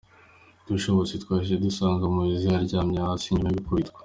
Dusohotse twahise dusanga Mowzey aryamye hasi nyuma yo gukubitwa.